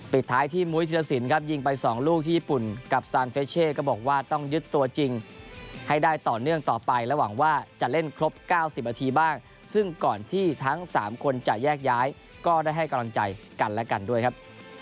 ปิดท้ายที่มุ้ยธิรสินครับยิงไป๒ลูกที่ญี่ปุ่นกับซานเฟชเช่ก็บอกว่าต้องยึดตัวจริงให้ได้ต่อเนื่องต่อไปและหวังว่าจะเล่นครบ๙๐นาทีบ้างซึ่งก่อนที่ทั้ง๓คนจะแยกย้ายก็ได้ให้กำลังใจกันและกันด้วยครับ